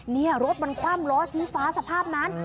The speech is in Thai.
นี่รถมันคว่ำล้อชี้ฟ้าสภาพนั้น